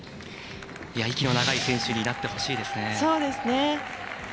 息の長い選手になってほしいですね。